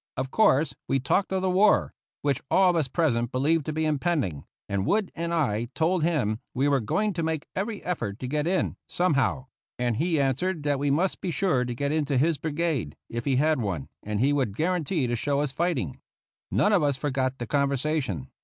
Of course, we talked of the war, which all of us present believed to be impending, and Wood and I told him we were going to make every effort to get in, somehow; and he answered that we must be sure to get into his brigade, if he had one, and he would guarantee to show us fighting. None of us forgot the conversation.